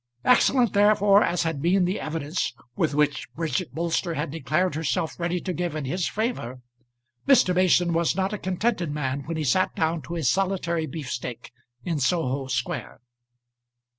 Excellent, therefore, as had been the evidence with which Bridget Bolster had declared herself ready to give in his favour, Mr. Mason was not a contented man when he sat down to his solitary beefsteak in Soho Square.